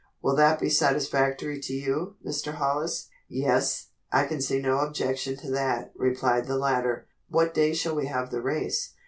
Will that be satisfactory to you, Mr. Hollis?" "Yes, I can see no objection to that," replied the latter, "what day shall we have the race?"